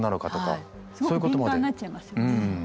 すごく敏感になっちゃいますよね。